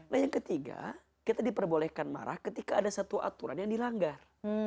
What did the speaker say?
nah yang ketiga kita diperbolehkan marah ketika ada satu aturan yang dilanggar